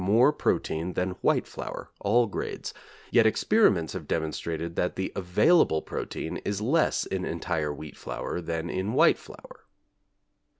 more protein than white flour (all grades), yet experiments have demonstrated that the available protein is less in entire wheat flour than in white flour.